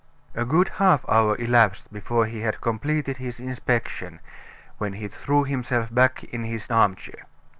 "A good half hour elapsed before he had completed his inspection, when he threw himself back in his armchair.